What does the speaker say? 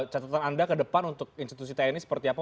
catatan anda ke depan untuk institusi tni seperti apa